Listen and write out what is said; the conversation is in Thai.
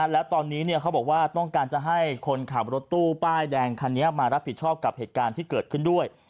แล้วตอนนี้เขาบอกว่าต้องการจะให้คนขับรถตู้ป้ายแดงคันนี้มารับผิดชอบกับเหตุการณ์ที่เกิดขึ้นด้วย